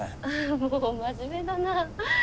もう真面目だなあ。